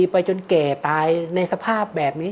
ไปจนแก่ตายในสภาพแบบนี้